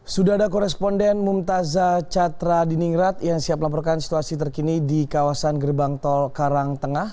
sudara koresponden mumtazah catra di ningrat yang siap laporkan situasi terkini di kawasan gerbang tol karangtengah